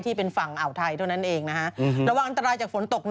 ที่เป็นฝั่งอ่าวไทยเท่านั้นเองนะฮะ